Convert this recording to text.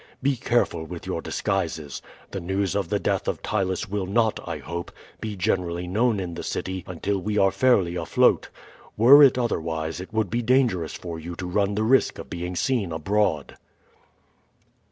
Be careful with your disguises. The news of the death of Ptylus will not, I hope, be generally known in the city until we are fairly afloat. Were it otherwise it would be dangerous for you to run the risk of being seen abroad."